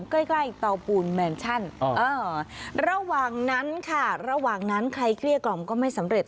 ใกล้เตาปูนแมนชั่นระหว่างนั้นค่ะระหว่างนั้นใครเกลี้ยกล่อมก็ไม่สำเร็จ